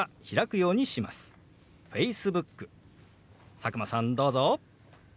佐久間さんどうぞ。